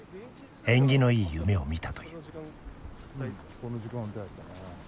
縁起のいい夢を見たという。